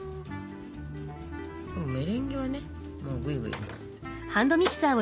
メレンゲはね。